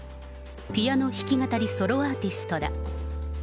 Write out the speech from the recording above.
ピアノ弾き語りソロアーティストだ。